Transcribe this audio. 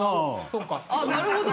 あなるほど。